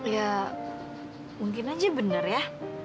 ya mungkin aja benar ya